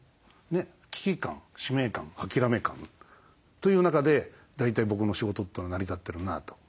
「危機感」「使命感」「諦め感」という中で大体僕の仕事ってのは成り立ってるなと。